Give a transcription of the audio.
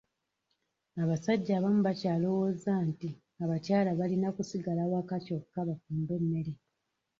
Abasajja abamu bakyalowooza nti abakyala balina kusigala waka kyokka bafumbe emmere.